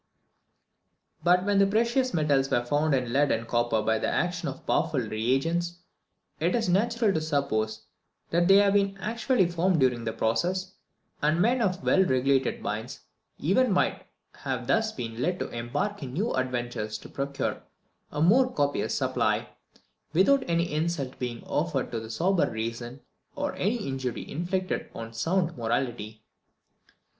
But when the precious metals were found in lead and copper by the action of powerful re agents, it was natural to suppose that they had been actually formed during the process; and men of well regulated minds even might have thus been led to embark in new adventures to procure a more copious supply, without any insult being offered to sober reason, or any injury inflicted on sound morality.